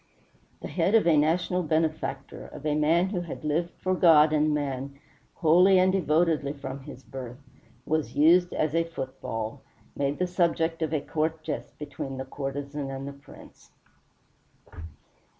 The head of a national benefactor, of a man who had lived for God and man wholly and devotedly from his birth, was used as a football, made the subject of a court jest between the courtesan and the prince.